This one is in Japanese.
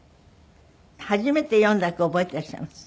初めて詠んだ句覚えていらっしゃいます？